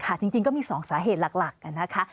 จริงก็มี๒สาเหตุหลักนะคะ